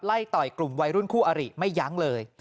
ต่อยกลุ่มวัยรุ่นคู่อริไม่ยั้งเลย